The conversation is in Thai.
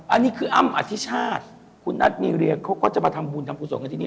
อันนี้คืออ้ำอธิชาติคุณนัทมีเรียงเขาก็จะมาทำบุญทำกุศลกันที่นี่